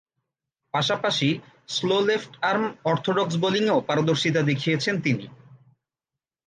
পাশাপাশি, slow left arm orthodox বোলিংয়েও পারদর্শীতা দেখিয়েছেন তিনি।